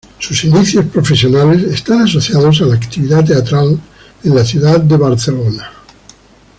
Sus inicios profesionales están asociados a la actividad teatral en la ciudad de Barcelona.